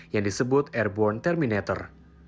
yang disebut airborne terminator